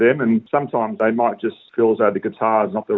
dan kadang kadang mereka mungkin hanya menghasilkan gitar